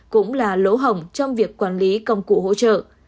cũng là lỗ hỏng trong việc quản lý công cụ hỗ trợ